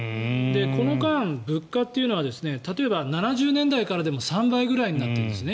この間、物価というのは例えば、７０年代からでも３倍ぐらいになってるんです。